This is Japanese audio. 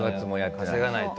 稼がないと。